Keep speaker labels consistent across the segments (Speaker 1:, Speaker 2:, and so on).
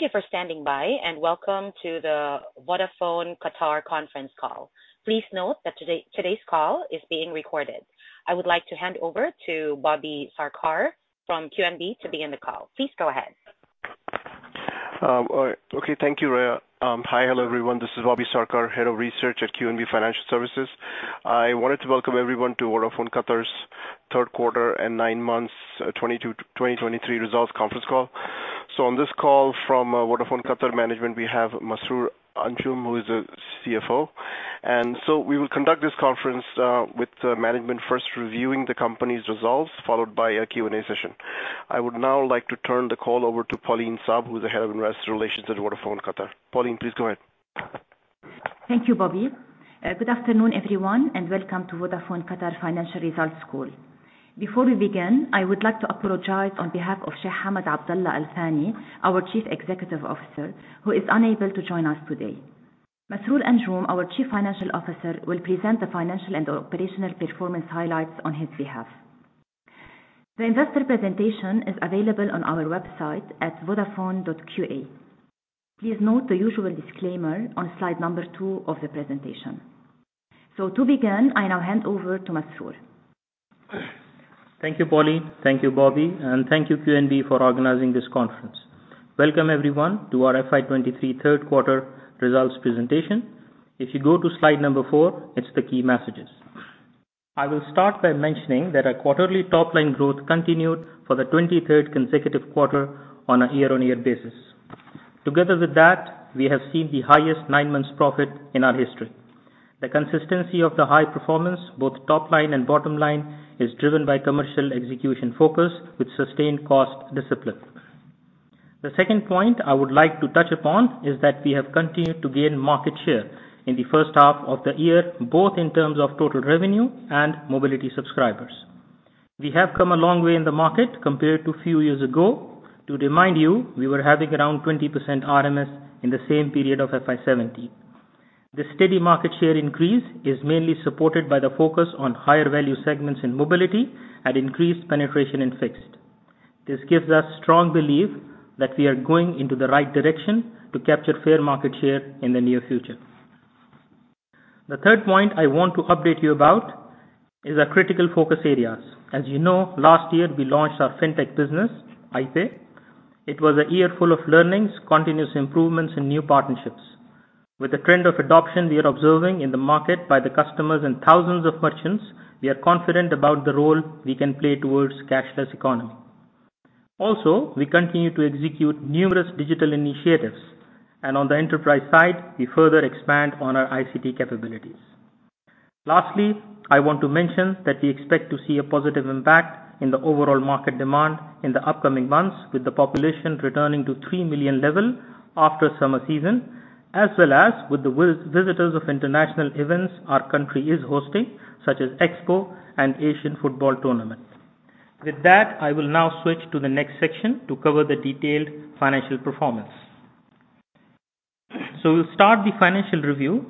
Speaker 1: Thank you for standing by, and welcome to the Vodafone Qatar conference call. Please note that today, today's call is being recorded. I would like to hand over to Bobby Sarkar from QNB to begin the call. Please go ahead.
Speaker 2: All right. Okay, thank you, Raya. Hi, hello, everyone. This is Bobby Sarkar, Head of Research at QNB Financial Services. I wanted to welcome everyone to Vodafone Qatar's third quarter and nine months 2022, 2023 results conference call. So on this call from Vodafone Qatar management, we have Masroor Anjum, who is the CFO. And so we will conduct this conference with the management first reviewing the company's results, followed by a Q&A session. I would now like to turn the call over to Pauline Saab, who is the Head of Investor Relations at Vodafone Qatar. Pauline, please go ahead.
Speaker 3: Thank you, Bobby. Good afternoon, everyone, and welcome to Vodafone Qatar Financial Results Call. Before we begin, I would like to apologize on behalf of Sheikh Hamad Abdulla Al-Thani, our Chief Executive Officer, who is unable to join us today. Masroor Anjum, our Chief Financial Officer, will present the financial and operational performance highlights on his behalf. The investor presentation is available on our website at vodafone.qa. Please note the usual disclaimer on slide number 2 of the presentation. To begin, I now hand over to Masroor.
Speaker 4: Thank you, Pauline. Thank you, Bobby, and thank you, QNB, for organizing this conference. Welcome, everyone, to our FY 2023 third quarter results presentation. If you go to slide number 4, it's the key messages. I will start by mentioning that our quarterly top-line growth continued for the 23rd consecutive quarter on a year-on-year basis. Together with that, we have seen the highest nine-month profit in our history. The consistency of the high performance, both top line and bottom line, is driven by commercial execution focus with sustained cost discipline. The second point I would like to touch upon is that we have continued to gain market share in the first half of the year, both in terms of total revenue and mobility subscribers. We have come a long way in the market compared to few years ago. To remind you, we were having around 20% RMS in the same period of FY 2017. The steady market share increase is mainly supported by the focus on higher value segments in mobility and increased penetration in fixed. This gives us strong belief that we are going into the right direction to capture fair market share in the near future. The third point I want to update you about is our critical focus areas. As you know, last year we launched our fintech business, iPay. It was a year full of learnings, continuous improvements, and new partnerships. With the trend of adoption we are observing in the market by the customers and thousands of merchants, we are confident about the role we can play towards cashless economy. Also, we continue to execute numerous digital initiatives, and on the enterprise side, we further expand on our ICT capabilities. Lastly, I want to mention that we expect to see a positive impact in the overall market demand in the upcoming months, with the population returning to 3 million level after summer season, as well as with the visitors of international events our country is hosting, such as Expo and Asian Football Tournament. With that, I will now switch to the next section to cover the detailed financial performance. We'll start the financial review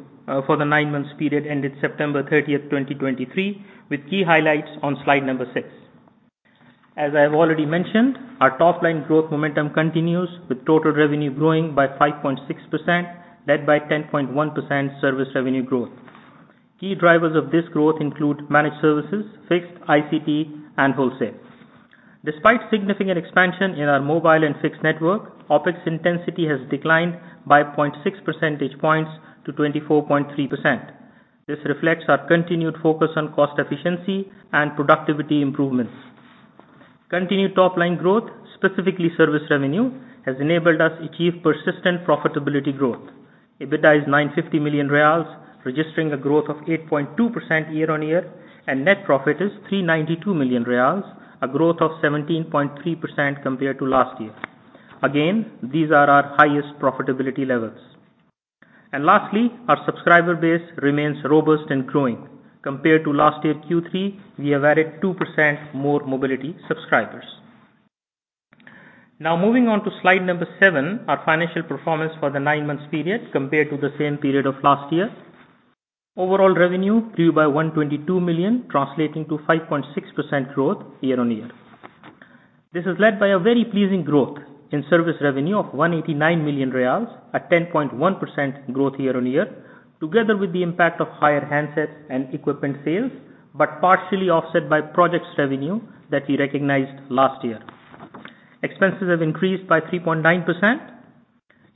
Speaker 4: for the nine-month period ended September 30th, 2023, with key highlights on slide number 6. As I have already mentioned, our top-line growth momentum continues, with total revenue growing by 5.6%, led by 10.1% service revenue growth. Key drivers of this growth include managed services, fixed, ICT, and wholesale. Despite significant expansion in our mobile and fixed network, OpEx intensity has declined by 0.6 percentage points to 24.3%. This reflects our continued focus on cost efficiency and productivity improvements. Continued top-line growth, specifically service revenue, has enabled us achieve persistent profitability growth. EBITDA is 950 million riyals, registering a growth of 8.2% year-on-year, and net profit is 392 million riyals, a growth of 17.3% compared to last year. Again, these are our highest profitability levels. And lastly, our subscriber base remains robust and growing. Compared to last year, Q3, we have added 2% more mobility subscribers. Now, moving on to slide 7, our financial performance for the nine months period compared to the same period of last year. Overall revenue grew by 122 million, translating to 5.6% growth year-on-year. This is led by a very pleasing growth in service revenue of 189 million riyals, a 10.1% growth year-on-year, together with the impact of higher handsets and equipment sales, but partially offset by projects revenue that we recognized last year. Expenses have increased by 3.9%.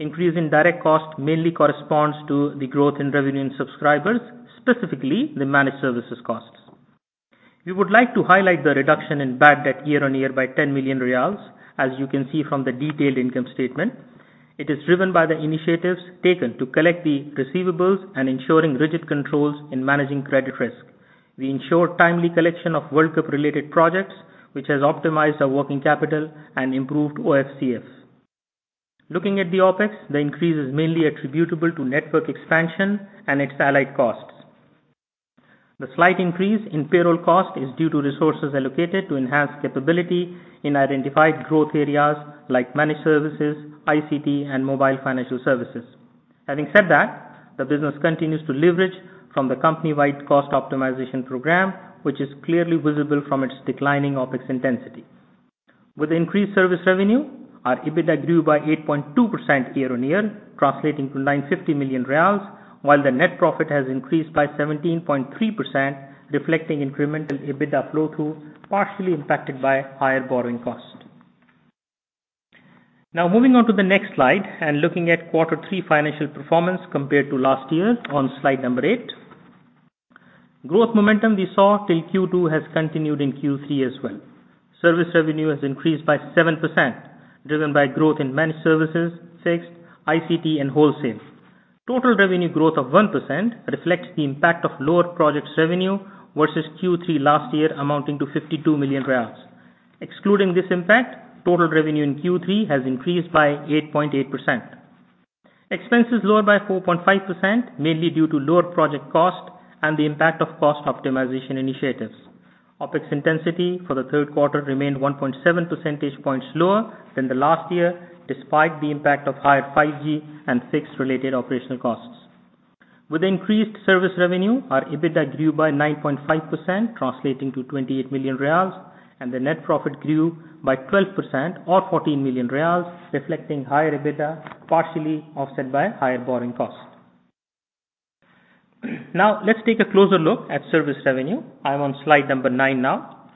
Speaker 4: Increase in direct costs mainly corresponds to the growth in revenue and subscribers, specifically the managed services costs. We would like to highlight the reduction in bad debt year-on-year by 10 million riyals, as you can see from the detailed income statement. It is driven by the initiatives taken to collect the receivables and ensuring rigid controls in managing credit risk. We ensure timely collection of World Cup-related projects, which has optimized our working capital and improved OFCF. Looking at the OpEx, the increase is mainly attributable to network expansion and its allied costs. The slight increase in payroll cost is due to resources allocated to enhance capability in identified growth areas like managed services, ICT, and mobile financial services. Having said that, the business continues to leverage from the company-wide cost optimization program, which is clearly visible from its declining OpEx intensity. With increased service revenue, our EBITDA grew by 8.2% year-on-year, translating to 950 million riyals, while the net profit has increased by 17.3%, reflecting incremental EBITDA flow-through, partially impacted by higher borrowing costs. Now, moving on to the next slide and looking at Quarter Three financial performance compared to last year on slide number 8. Growth momentum we saw till Q2 has continued in Q3 as well. Service revenue has increased by 7%, driven by growth in managed services, fixed, ICT, and wholesale. Total revenue growth of 1% reflects the impact of lower projects revenue versus Q3 last year, amounting to 52 million riyals. Excluding this impact, total revenue in Q3 has increased by 8.8%. Expenses lowered by 4.5%, mainly due to lower project cost and the impact of cost optimization initiatives. OpEx intensity for the third quarter remained 1.7 percentage points lower than the last year, despite the impact of higher 5G and fixed-related operational costs. With increased service revenue, our EBITDA grew by 9.5%, translating to 28 million riyals, and the net profit grew by 12% or 14 million riyals, reflecting higher EBITDA, partially offset by higher borrowing costs. Now, let's take a closer look at service revenue. I am on slide number 9 now.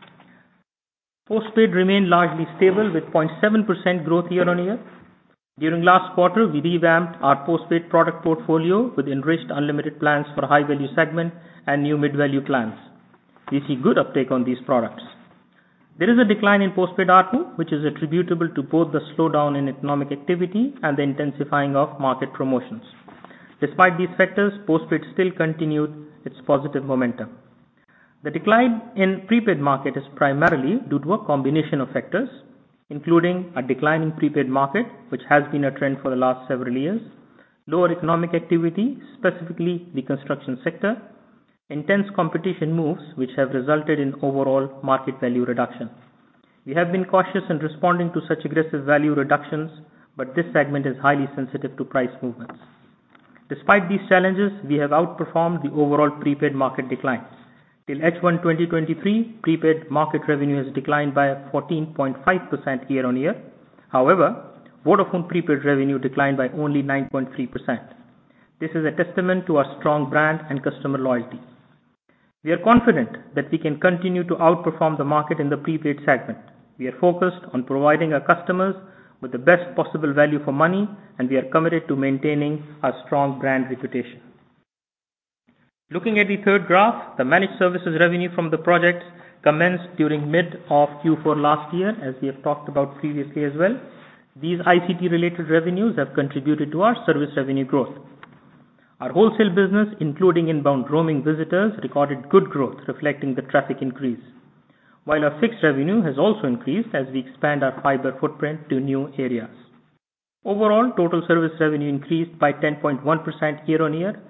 Speaker 4: Postpaid remained largely stable, with 0.7% growth year-on-year. During last quarter, we revamped our postpaid product portfolio with enriched unlimited plans for high-value segment and new mid-value plans. We see good uptake on these products. There is a decline in postpaid ARPU, which is attributable to both the slowdown in economic activity and the intensifying of market promotions. Despite these factors, postpaid still continued its positive momentum. The decline in prepaid market is primarily due to a combination of factors, including a declining prepaid market, which has been a trend for the last several years, lower economic activity, specifically the construction sector, intense competition moves, which have resulted in overall market value reduction. We have been cautious in responding to such aggressive value reductions, but this segment is highly sensitive to price movements. Despite these challenges, we have outperformed the overall prepaid market declines. Till H1 2023, prepaid market revenue has declined by 14.5% year-on-year. However, Vodafone prepaid revenue declined by only 9.3%. This is a testament to our strong brand and customer loyalty. We are confident that we can continue to outperform the market in the prepaid segment. We are focused on providing our customers with the best possible value for money, and we are committed to maintaining our strong brand reputation. Looking at the third graph, the managed services revenue from the project commenced during mid of Q4 last year, as we have talked about previously as well. These ICT-related revenues have contributed to our service revenue growth. Our wholesale business, including inbound roaming visitors, recorded good growth, reflecting the traffic increase. While our fixed revenue has also increased as we expand our fiber footprint to new areas. Overall, total service revenue increased by 10.1% year-on-year,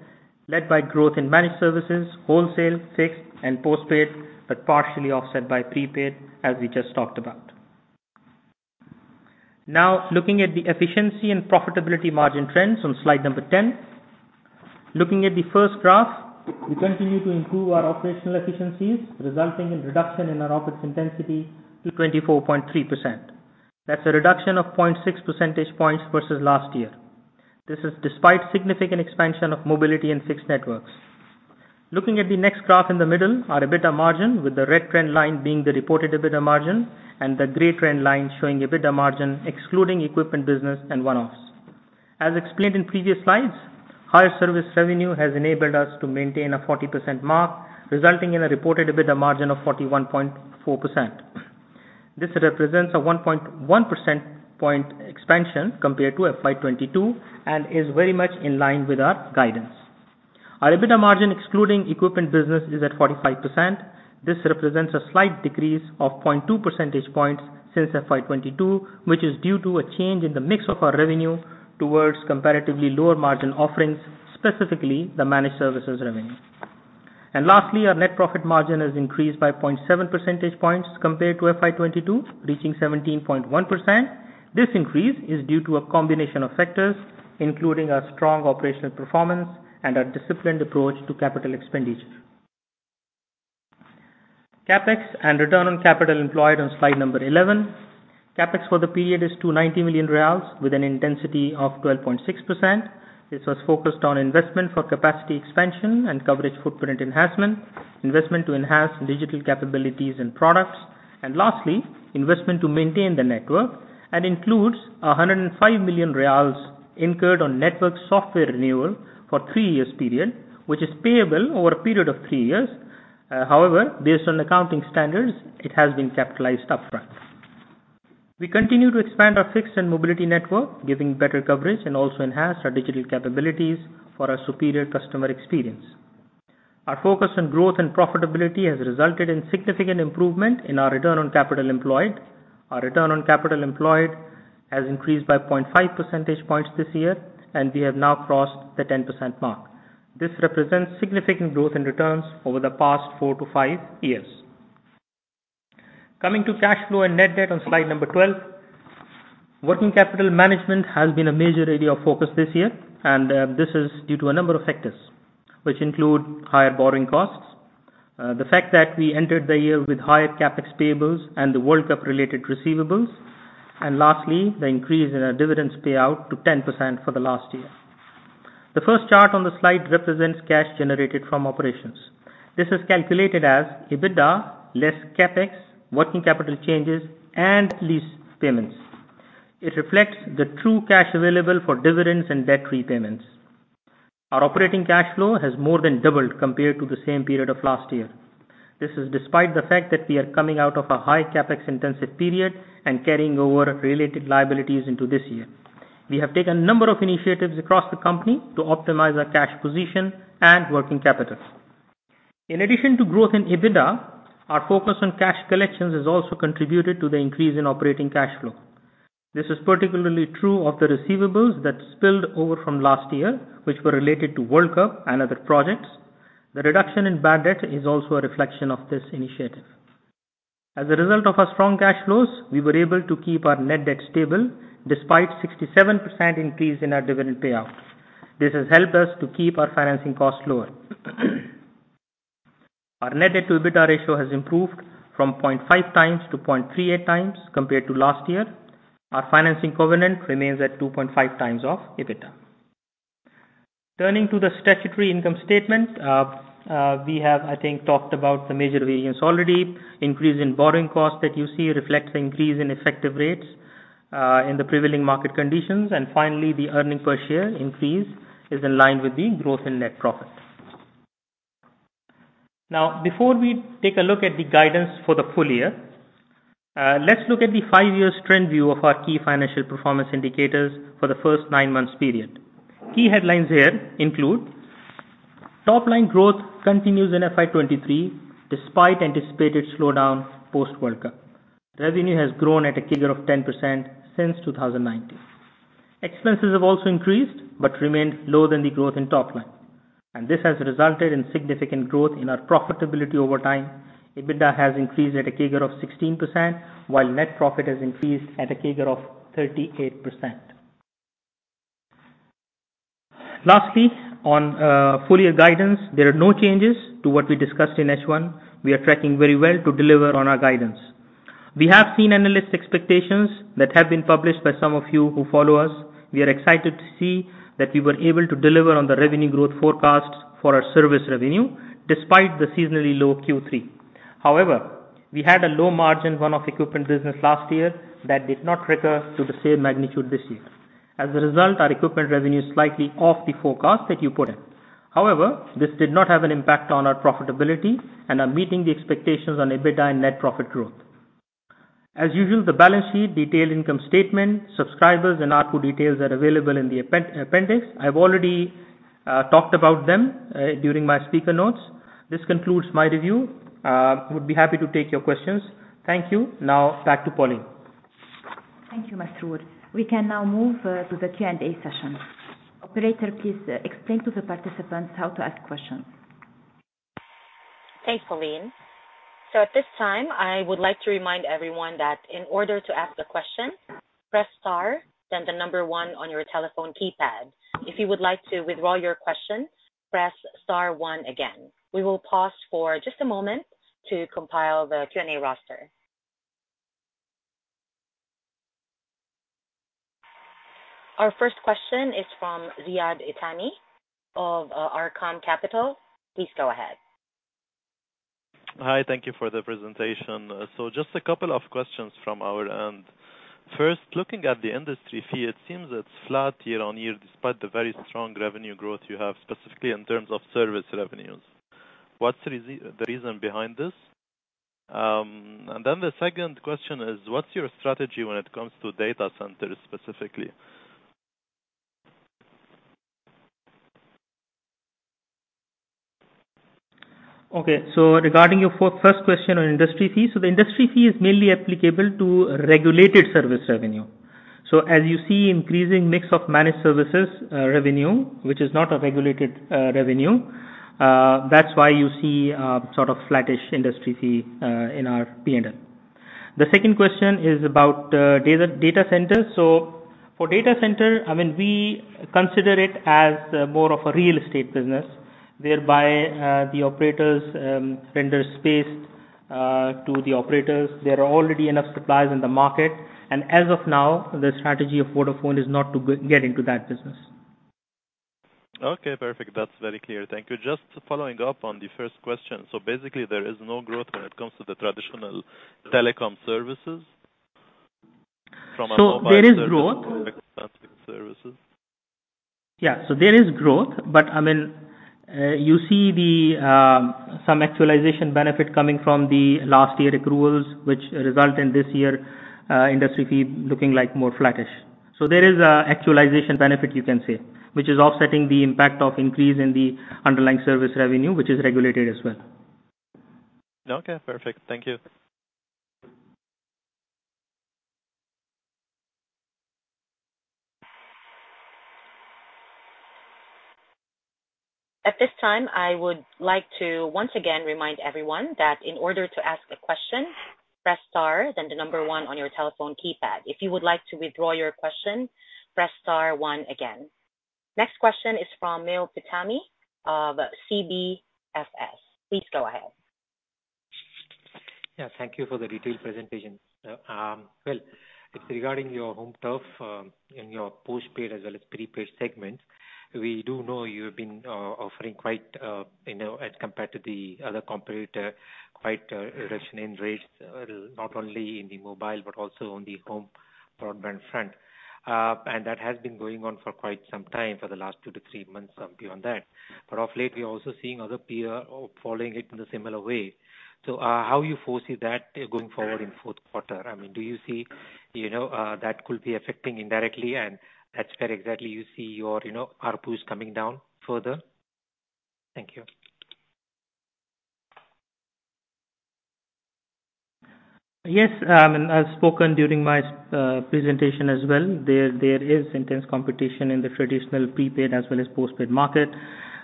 Speaker 4: led by growth in managed services, wholesale, fixed, and postpaid, but partially offset by prepaid, as we just talked about. Now, looking at the efficiency and profitability margin trends on slide 10. Looking at the first graph, we continue to improve our operational efficiencies, resulting in reduction in our OpEx intensity to 24.3%. That's a reduction of 0.6 percentage points versus last year. This is despite significant expansion of mobility and fixed networks. Looking at the next graph in the middle, our EBITDA margin, with the red trend line being the reported EBITDA margin and the gray trend line showing EBITDA margin, excluding equipment, business, and one-offs. As explained in previous slides, higher service revenue has enabled us to maintain a 40% mark, resulting in a reported EBITDA margin of 41.4%. This represents a 1.1 percentage point expansion compared to FY 2022 and is very much in line with our guidance. Our EBITDA margin, excluding equipment business, is at 45%. This represents a slight decrease of 0.2 percentage points since FY 2022, which is due to a change in the mix of our revenue towards comparatively lower margin offerings, specifically the managed services revenue. And lastly, our net profit margin has increased by 0.7 percentage points compared to FY 2022, reaching 17.1%. This increase is due to a combination of factors, including our strong operational performance and our disciplined approach to capital expenditure. CapEx and return on capital employed on slide 11. CapEx for the period is 290 million riyals, with an intensity of 12.6%. This was focused on investment for capacity expansion and coverage footprint enhancement, investment to enhance digital capabilities and products, and lastly, investment to maintain the network, and includes 105 million riyals incurred on network software renewal for three years period, which is payable over a period of three years. However, based on accounting standards, it has been capitalized upfront. We continue to expand our fixed and mobility network, giving better coverage and also enhance our digital capabilities for a superior customer experience. Our focus on growth and profitability has resulted in significant improvement in our return on capital employed. Our return on capital employed has increased by 0.5 percentage points this year, and we have now crossed the 10% mark. This represents significant growth in returns over the past 4-5 years. Coming to cash flow and net debt on slide number 12. Working capital management has been a major area of focus this year, and this is due to a number of factors, which include higher borrowing costs, the fact that we entered the year with higher CapEx payables and the World Cup-related receivables, and lastly, the increase in our dividends payout to 10% for the last year. The first chart on the slide represents cash generated from operations. This is calculated as EBITDA, less CapEx, working capital changes, and lease payments. It reflects the true cash available for dividends and debt repayments. Our operating cash flow has more than doubled compared to the same period of last year. This is despite the fact that we are coming out of a high CapEx-intensive period and carrying over related liabilities into this year. We have taken a number of initiatives across the company to optimize our cash position and working capital. In addition to growth in EBITDA, our focus on cash collections has also contributed to the increase in operating cash flow. This is particularly true of the receivables that spilled over from last year, which were related to World Cup and other projects. The reduction in bad debt is also a reflection of this initiative. As a result of our strong cash flows, we were able to keep our net debt stable despite 67% increase in our dividend payout. This has helped us to keep our financing costs lower. Our net debt to EBITDA ratio has improved from 0.5 times to 0.38 times compared to last year. Our financing covenant remains at 2.5x of EBITDA. Turning to the statutory income statement, we have, I think, talked about the major variances already. Increase in borrowing costs that you see reflects the increase in effective rates in the prevailing market conditions. Finally, the earnings per share increase is in line with the growth in net profit. Now, before we take a look at the guidance for the full year, let's look at the 5-year trend view of our key financial performance indicators for the first 9 months period. Key headlines here include: top-line growth continues in FY 2023 despite anticipated slowdown post-World Cup. Revenue has grown at a CAGR of 10% since 2019. Expenses have also increased, but remained lower than the growth in top line, and this has resulted in significant growth in our profitability over time. EBITDA has increased at a CAGR of 16%, while net profit has increased at a CAGR of 38%. Lastly, on full year guidance, there are no changes to what we discussed in H1. We are tracking very well to deliver on our guidance. We have seen analyst expectations that have been published by some of you who follow us. We are excited to see that we were able to deliver on the revenue growth forecast for our service revenue, despite the seasonally low Q3. However, we had a low margin one-off equipment business last year that did not recur to the same magnitude this year. As a result, our equipment revenue is slightly off the forecast that you put in. However, this did not have an impact on our profitability, and are meeting the expectations on EBITDA and net profit growth. As usual, the balance sheet, detailed income statement, subscribers, and ARPU details are available in the appendix. I've already talked about them during my speaker notes. This concludes my review. Would be happy to take your questions. Thank you. Now, back to Pauline.
Speaker 3: Thank you, Masroor. We can now move to the Q&A session. Operator, please, explain to the participants how to ask questions.
Speaker 1: Thanks, Pauline. So at this time, I would like to remind everyone that in order to ask a question, press star, then the number one on your telephone keypad. If you would like to withdraw your question, press star one again. We will pause for just a moment to compile the Q&A roster. Our first question is from Ziad Itani of Arqaam Capital. Please go ahead.
Speaker 5: Hi, thank you for the presentation. So just a couple of questions from our end. First, looking at the industry fee, it seems it's flat year-on-year, despite the very strong revenue growth you have, specifically in terms of service revenues. What's the reason behind this? And then the second question is, what's your strategy when it comes to data centers, specifically?
Speaker 4: Okay. So regarding your first question on industry fees, the industry fee is mainly applicable to regulated service revenue. As you see increasing mix of managed services revenue, which is not a regulated revenue, that's why you see sort of flattish industry fee in our P&L. The second question is about data centers. For data center, I mean, we consider it as more of a real estate business, whereby the operators render space to the operators. There are already enough suppliers in the market, and as of now, the strategy of Vodafone is not to get into that business.
Speaker 5: Okay, perfect. That's very clear. Thank you. Just following up on the first question. So basically, there is no growth when it comes to the traditional telecom services from a mobile-
Speaker 4: There is growth-
Speaker 5: Services.
Speaker 4: Yeah, so there is growth, but I mean, you see the some actualization benefit coming from the last year accruals, which result in this year industry fee looking like more flattish. So there is a actualization benefit you can say, which is offsetting the impact of increase in the underlying service revenue, which is regulated as well.
Speaker 5: Okay, perfect. Thank you.
Speaker 1: At this time, I would like to once again remind everyone that in order to ask a question, press star, then the number one on your telephone keypad. If you would like to withdraw your question, press star one again. Next question is from Mayo Pitami of CBFS. Please go ahead.
Speaker 6: Yeah, thank you for the detailed presentation. Well, it's regarding your home turf in your postpaid as well as prepaid segment. We do know you've been offering quite, you know, as compared to the other competitor, quite reduction in rates, not only in the mobile, but also on the home broadband front. And that has been going on for quite some time, for the last 2-3 months, beyond that. But of late, we are also seeing other peer following it in a similar way. So, how you foresee that going forward in fourth quarter? I mean, do you see, you know, that could be affecting indirectly, and that's where exactly you see your, you know, ARPUs coming down further? Thank you.
Speaker 4: Yes, and I've spoken during my presentation as well. There is intense competition in the traditional prepaid as well as postpaid market.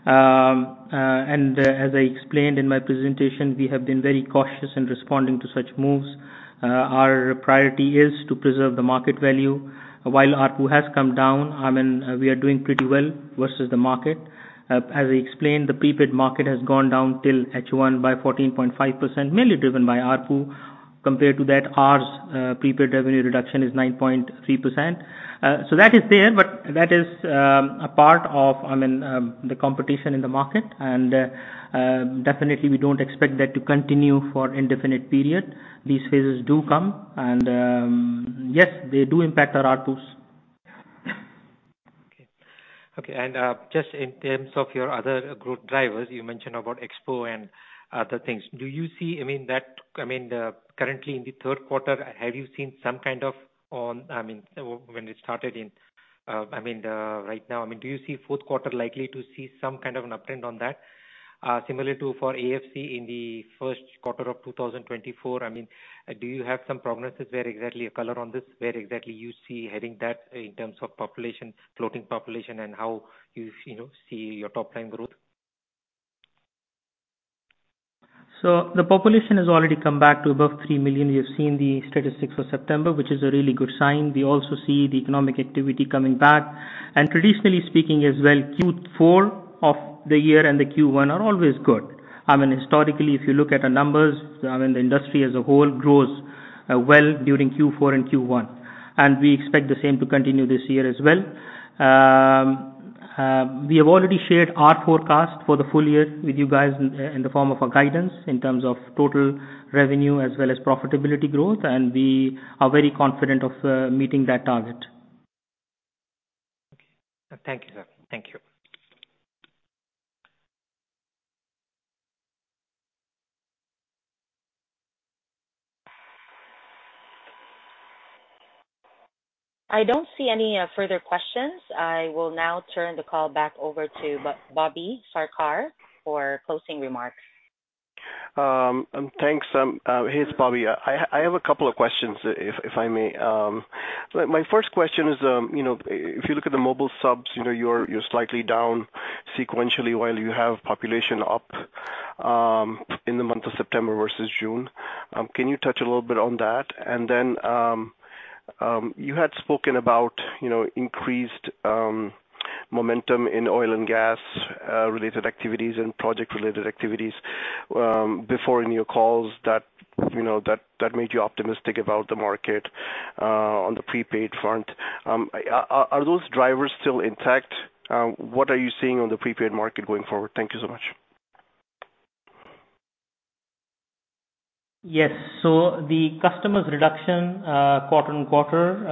Speaker 4: As I explained in my presentation, we have been very cautious in responding to such moves. Our priority is to preserve the market value. While ARPU has come down, I mean, we are doing pretty well versus the market. As I explained, the prepaid market has gone down till H1 by 14.5%, mainly driven by ARPU. Compared to that, our prepaid revenue reduction is 9.3%. So that is there, but that is a part of, I mean, the competition in the market. Definitely we don't expect that to continue for indefinite period. These phases do come, and yes, they do impact our ARPUs.
Speaker 6: Okay. Okay, and, just in terms of your other growth drivers, you mentioned about Expo and other things. Do you see, I mean, that—I mean, currently in the third quarter, have you seen some kind of I mean, when it started in, I mean, right now, I mean, do you see fourth quarter likely to see some kind of an uptrend on that? Similar to, for AFC in the first quarter of 2024, I mean, do you have some progress where exactly a color on this, where exactly you see heading that in terms of population, floating population, and how you, you know, see your top line growth?
Speaker 4: So the population has already come back to above 3 million. We have seen the statistics for September, which is a really good sign. We also see the economic activity coming back. Traditionally speaking as well, Q4 of the year and the Q1 are always good. I mean, historically, if you look at our numbers, I mean, the industry as a whole grows well during Q4 and Q1, and we expect the same to continue this year as well. We have already shared our forecast for the full year with you guys in the form of a guidance in terms of total revenue as well as profitability growth, and we are very confident of meeting that target.
Speaker 6: Thank you, sir. Thank you.
Speaker 1: I don't see any further questions. I will now turn the call back over to Bobby Sarkar for closing remarks.
Speaker 2: Thanks. Here's Bobby. I have a couple of questions, if I may. My first question is, you know, if you look at the mobile subs, you know, you're slightly down sequentially while you have population up, in the month of September versus June. Can you touch a little bit on that? And then, you had spoken about, you know, increased momentum in oil and gas related activities and project-related activities, before in your calls that, you know, that made you optimistic about the market, on the prepaid front. Are those drivers still intact? What are you seeing on the prepaid market going forward? Thank you so much.
Speaker 4: Yes. So the customers' reduction, quarter on quarter,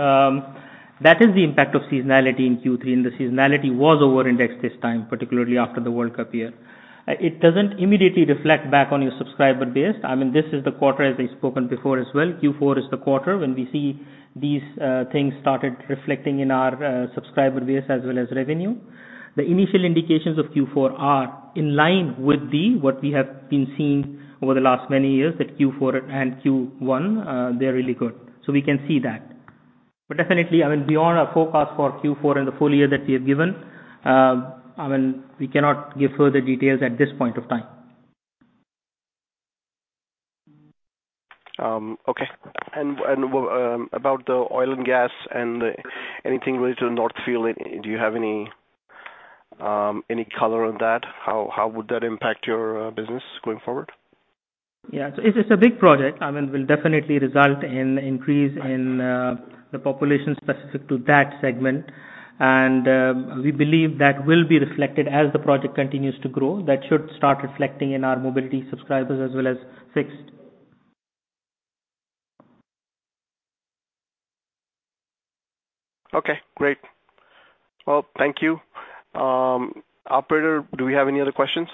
Speaker 4: that is the impact of seasonality in Q3, and the seasonality was over-indexed this time, particularly after the World Cup year. It doesn't immediately reflect back on your subscriber base. I mean, this is the quarter, as I've spoken before as well, Q4 is the quarter when we see these, things started reflecting in our, subscriber base as well as revenue. The initial indications of Q4 are in line with the, what we have been seeing over the last many years, that Q4 and Q1, they're really good. So we can see that. But definitely, I mean, beyond our forecast for Q4 and the full year that we have given, I mean, we cannot give further details at this point of time.
Speaker 2: Okay. And about the oil and gas and anything related to North Field, do you have any any color on that? How would that impact your business going forward?
Speaker 4: Yeah. It, it's a big project. I mean, will definitely result in increase in the population specific to that segment. And, we believe that will be reflected as the project continues to grow. That should start reflecting in our mobility subscribers as well as fixed.
Speaker 2: Okay, great. Well, thank you. Operator, do we have any other questions?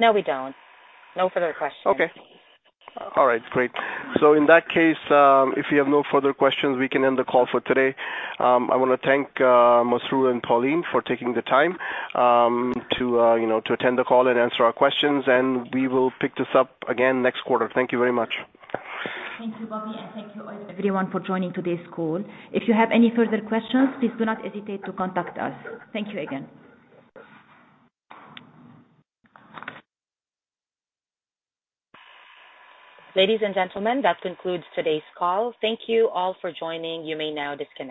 Speaker 1: No, we don't. No further questions.
Speaker 2: Okay. All right, great. So in that case, if you have no further questions, we can end the call for today. I wanna thank, Masroor and Pauline for taking the time, to, you know, to attend the call and answer our questions, and we will pick this up again next quarter. Thank you very much.
Speaker 1: Thank you, Bobby, and thank you, everyone for joining today's call. If you have any further questions, please do not hesitate to contact us. Thank you again. Ladies and gentlemen, that concludes today's call. Thank you all for joining. You may now disconnect.